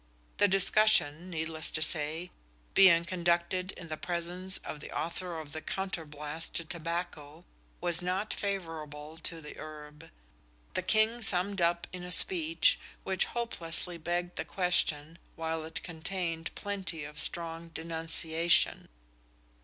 The discussion, needless to say, being conducted in the presence of the author of the "Counterblaste to Tobacco," was not favourable to the herb. The King summed up in a speech which hopelessly begged the question while it contained plenty of strong denunciation.